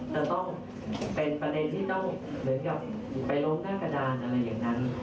จะต้องเป็นประเด็นที่ต้องเหมือนกับไปล้มหน้ากระดานอะไรอย่างนั้น